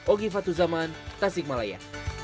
oggy fatu zaman tasikmalaya